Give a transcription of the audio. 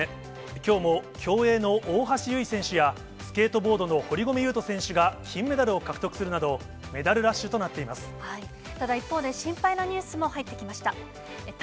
きょうも競泳の大橋悠依選手や、スケートボードの堀米雄斗選手が金メダルを獲得するなど、メダルただ一方で、心配なニュースも入ってきました。